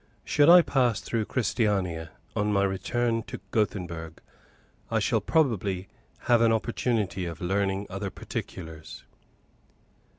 Should I pass through Christiania, on my return to Gothenburg, I shall probably have an opportunity of learning other particulars.